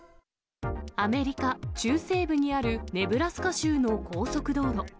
アメリカ中西部にあるネブラスカ州の高速道路。